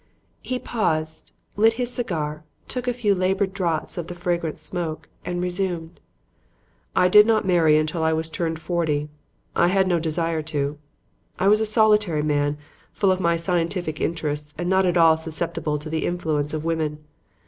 He paused, lit his cigar, took a few labored draughts of the fragrant smoke, and resumed: "I did not marry until I was turned forty. I had no desire to. I was a solitary man, full of my scientific interests and not at all susceptible to the influence of women.